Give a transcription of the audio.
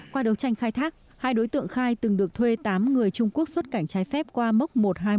qua đấu tranh khai thác hai đối tượng khai từng được thuê tám người trung quốc xuất cảnh trái phép qua móc một nghìn hai trăm một mươi chín